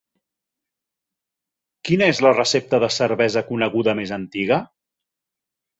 Quina és la recepta de cervesa coneguda més antiga?